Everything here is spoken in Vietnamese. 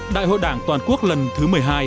đại hội đảng toàn quốc lần thứ một mươi hai